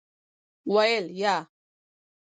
ویل : یا .